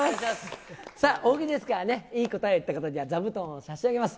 さあ、大喜利ですからね、いい答え言った方には座布団を差し上げます。